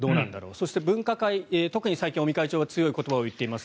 そして分科会、特に尾身会長は最近強い言葉を言っています。